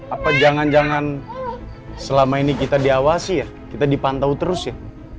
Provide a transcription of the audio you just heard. apa jangan jangan selama ini kita diawasi ya kita dipantau terus ya